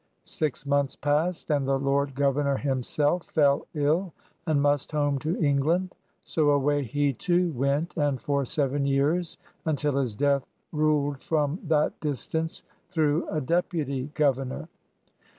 Six months passed, and the Lord Governor himself fell ill and must home to Eng land. So away he, too, went and for seven years until his death ruled from that distance through a deputy governor.